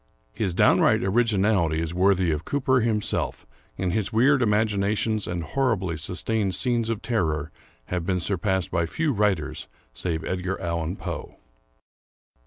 His downright originality is worthy of Cooper himself, and his weird imaginations and horribly sustained scenes of terror have been surpassed by few writers save Edgar Allan Poe.